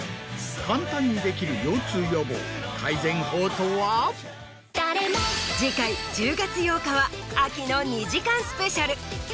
簡単にできる腰痛予防・改善法とは⁉次回１０月８日は秋の２時間スペシャル。